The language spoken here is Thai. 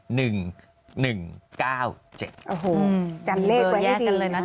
โหจำเลขไว้ให้ดีนะ